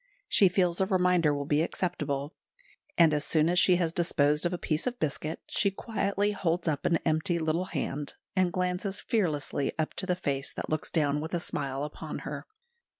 She feels a reminder will be acceptable; and as soon as she has disposed of a piece of biscuit, she quietly holds up an empty little hand, and glances fearlessly up to the face that looks down with a smile upon her.